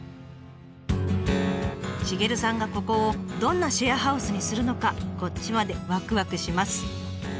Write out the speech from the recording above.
シゲルさんがここをどんなシェアハウスにするのかこっちまでわくわくします。